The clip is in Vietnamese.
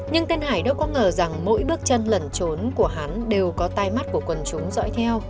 nhưng tên hải đã có ngờ rằng mỗi bước chân lẩn trốn của hắn đều có tai mắt của quần chúng dõi theo